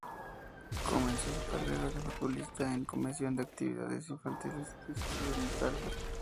Comenzó su carrera de futbolista en Comisión de Actividades Infantiles de su ciudad natal.